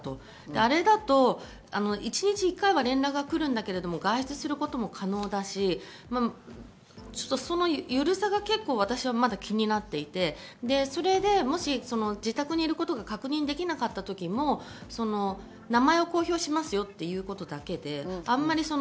あれだと一日１回は連絡が来るけれど外出することも可能だし緩さが結構私はまだ気になっていて、それでもし自宅にいることが確認できなかった時も名前を公表しますよっていうことだけで、あまり。